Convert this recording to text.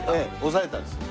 抑えたんですよ。